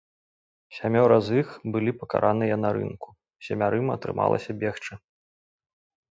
Сямёра з іх былі пакараныя на рынку, семярым атрымалася бегчы.